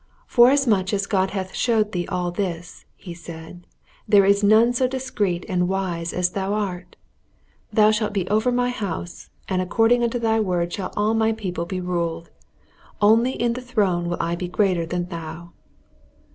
"Forasmuch as God hath showed thee all this," he said, "there is none so discreet and wise as thou art. Thou shalt be over my house, and according unto thy word shall all my people be ruled. Only in the throne will I be greater than thou."